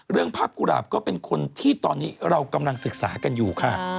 เรื่องภาพกุหลาบก็เป็นคนที่ตอนนี้เรากำลังศึกษากันอยู่ค่ะ